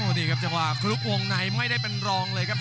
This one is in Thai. นี่ครับจังหวะคลุกวงในไม่ได้เป็นรองเลยครับ